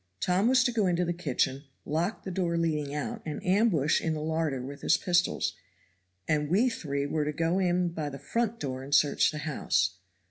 Tom was to go into the kitchen, lock the door leading out, and ambush in the larder with his pistols; and we three were to go in by the front door and search the house.